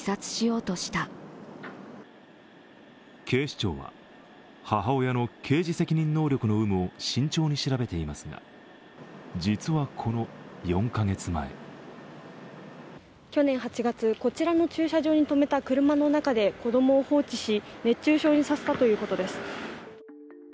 警視庁は、母親の刑事責任能力の有無を慎重に調べていますが、実はこの４カ月前去年８月、こちらの駐車場にとめた車の中で子供を放置し熱中症にさせたということです。